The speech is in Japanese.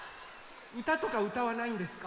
うたとかうたわないんですか？